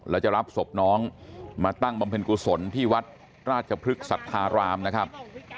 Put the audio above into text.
แล้วจะรับศพน้องมาตั้งบำเพ็ญกุศลที่วัดราชพฤกษัทธารามนะครับ